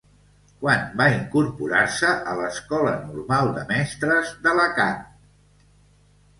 Quan va incorporar-se a l'Escola Normal de Mestres d'Alacant?